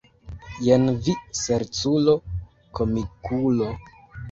Jen vi ŝerculo, komikulo!